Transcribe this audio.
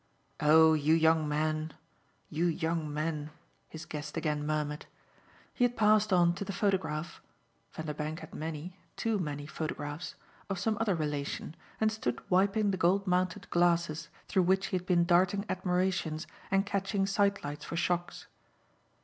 "Oh you young men, you young men!" his guest again murmured. He had passed on to the photograph Vanderbank had many, too many photographs of some other relation, and stood wiping the gold mounted glasses through which he had been darting admirations and catching side lights for shocks.